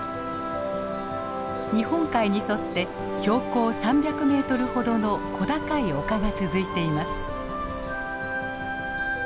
日本海に沿って標高３００メートルほどの小高い丘が続いています。